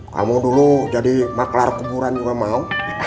kamu dulu jadi maklar kuburan juga mau